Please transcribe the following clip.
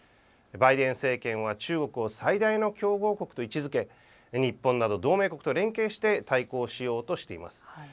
バイデン政権は中国を最大の競合国と位置づけ日本など同盟国と連携して対抗しようとしています。